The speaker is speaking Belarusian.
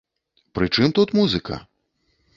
Пры чым тут музыка?